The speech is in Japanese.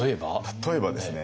例えばですね